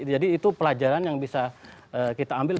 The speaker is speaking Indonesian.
jadi itu pelajaran yang bisa kita ambil